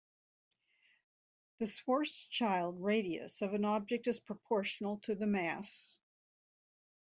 The Schwarzschild radius of an object is proportional to the mass.